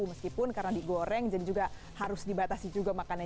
meskipun karena digoreng jadi juga harus dibatasi juga makannya